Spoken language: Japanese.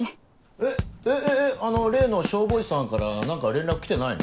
えっえっあの例の消防士さんから何か連絡来てないの？